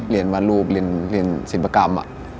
เรียนวาดรูปเรียนศิลปะกรรมอะ